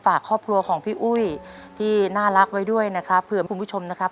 ฝากครอบครัวของพี่อุ้ยที่น่ารักไว้ด้วยนะครับเผื่อคุณผู้ชมนะครับ